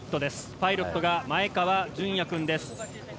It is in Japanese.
パイロットが前川純也くんです。